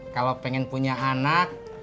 kalau pengen punya anak